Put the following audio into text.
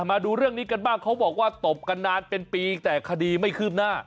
มาดูเรื่องนี้กันบ้างเขาบอกว่าตบกันนานเป็นปีแต่คดีไม่คืบหน้า